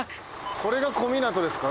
これが小湊ですか。